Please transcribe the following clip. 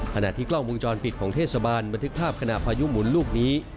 ขณะที่กล้องวงจรปิดของเทศบาลบันทึกภาพขณะพายุหมุนลูกนี้